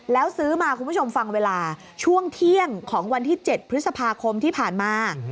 แล้วซื้อมาคุณผู้ชมฟังเวลาช่วงเที่ยงของวันที่๗พฤษภาคมที่ผ่านมา